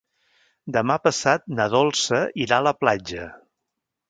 Demà passat na Dolça irà a la platja.